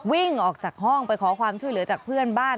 วิ่งออกจากห้องไปขอความช่วยเหลือจากเพื่อนบ้าน